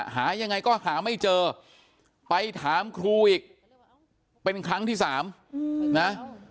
หายังไงก็หาไม่เจอไปถามครูอีกเป็นครั้งที่สามนะ